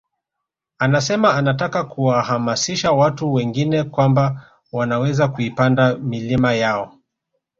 Anasema anataka kuwahamasisha watu wengine kwamba wanaweza kuipanda milima yao